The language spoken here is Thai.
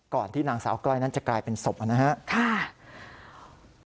ที่นางสาวก้อยนั้นจะกลายเป็นศพนะครับ